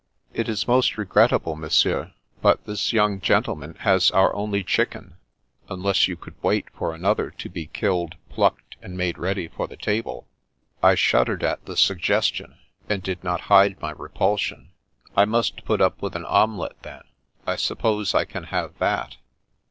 " It is most regrettable. Monsieur, but this yoimg gentleman has our only chicken, unless you could wait for another to be killed, plucked, and made ready for the table." I shuddered at the suggestion, and did not hide my repulsion. " I must put up with an omelette, then. I suppose I can have that